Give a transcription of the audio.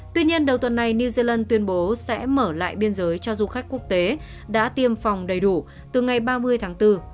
tuy nhiên đầu tuần này new zealand tuyên bố sẽ mở lại biên giới cho du khách quốc tế đã tiêm phòng đầy đủ từ ngày ba mươi tháng bốn